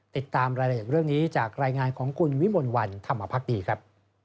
ติดตามรายละเอียดเรื่องนี้จากรายงานของคุณวิมลวันธรรมภักดีครับ